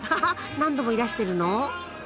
何度もいらしてるの？